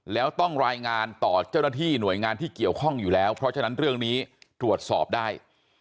แล้วต้องรายงานต่อเจ้าหน้าที่หน่วยงานที่เกี่ยวข้องอยู่แล้วเพราะฉะนั้นเรื่องนี้ตรวจสอบได้